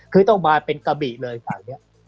คือต้องมาเป็นกะบิเลยฝั่งนี้